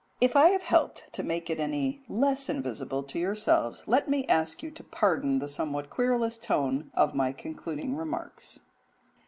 If I have helped to make it any less invisible to yourselves, let me ask you to pardon the somewhat querulous tone of my concluding remarks.